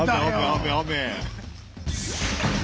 雨雨雨。